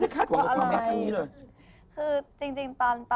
คุณไม่ได้คาดหวังกับความรักแบบนี้เลย